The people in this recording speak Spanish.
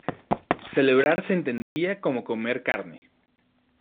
Celebrar se entendía como comer carne.